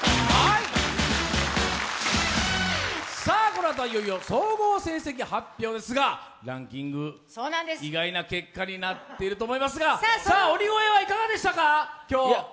このあとはいよいよ総合成績発表ですがランキング、意外な結果になっていると思いますが鬼越は今日いかがでしたか？